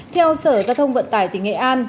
theo sở gia thông vận tải tỉnh nghệ an